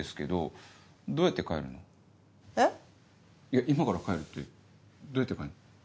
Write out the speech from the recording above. いや今から帰るってどうやって帰んの？